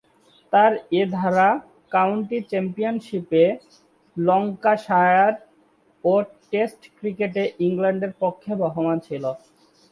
তার এ ধারা কাউন্টি চ্যাম্পিয়নশীপে ল্যাঙ্কাশায়ার ও টেস্ট ক্রিকেটে ইংল্যান্ডের পক্ষে বহমান ছিল।